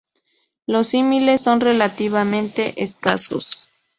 Los símiles son relativamente escasos.